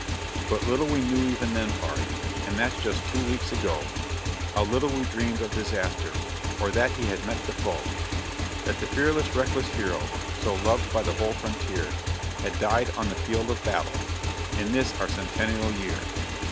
But little we knew even then, pard, (And that's just two weeks ago), How little we dreamed of disaster, Or that he had met the foe That the fearless, reckless hero, So loved by the whole frontier, Had died on the field of battle In this, our centennial year.